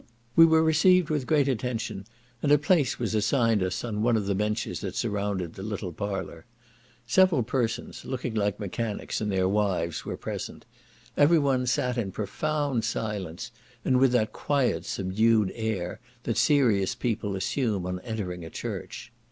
We were received with great attention, and a place was assigned us on one of the benches that surrounded the little parlour. Several persons, looking like mechanics and their wives, were present; every one sat in profound silence, and with that quiet subdued air, that serious people assume on entering a church.